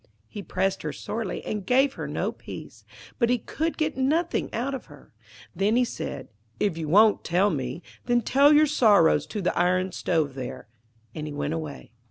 He pressed her sorely, and gave her no peace, but he could get nothing out of her. Then he said, 'If you won't tell me, then tell your sorrows to the iron stove there'; and he went away.